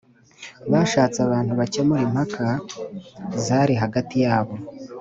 bashatse abantu bakemura impaka zari hagati yabo